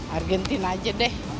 argentina aja deh